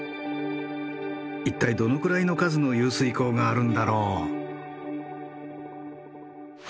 一体どのくらいの数の湧水口があるんだろう？